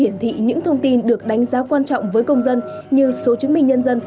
hiển thị những thông tin được đánh giá quan trọng với công dân như số chứng minh nhân dân